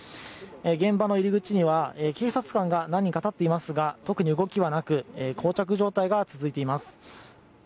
現場の入り口には警察官が何人か立っていますが特に動きはなくこう着状態が続いています。